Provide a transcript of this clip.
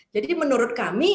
jadi menurut kami